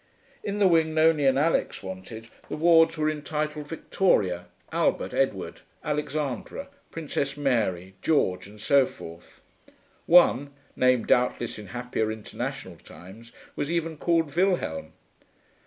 In the wing Nonie and Alix wanted the wards were entitled Victoria, Albert Edward, Alexandra, Princess Mary, George, and so forth. One, named doubtless in happier international times, was even called Wilhelm.